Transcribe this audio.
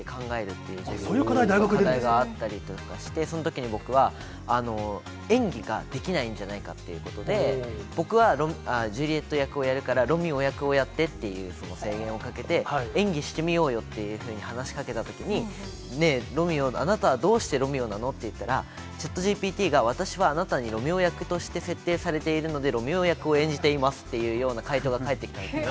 そういう課題、大学で出るん課題があったりとかして、そういうときに僕は演技ができないんじゃないかっていうことで、僕はジュリエット役をやるから、ロミオ役をやってっていう制限をかけて、演技してみようよっていうふうに話しかけたときに、ねえ、ロミオ、あなたはどうしてロミオなのって言ったら、チャットＧＰＴが、私はあなたにロミオ役として設定されているので、ロミオ役を演じていますというような回答が返ってきたんですよ。